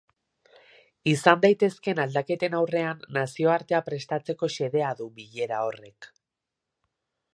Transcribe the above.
Izan daitezkeen aldaketen aurrean nazioartea prestatzeko xedea du bilera horrek.